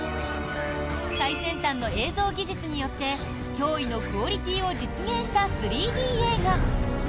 最先端の映像技術によって驚異のクオリティーを実現した３Ｄ映画。